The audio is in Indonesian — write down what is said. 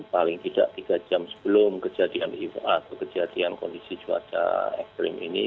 paling tidak tiga jam sebelum kejadian atau kejadian kondisi cuaca ekstrim ini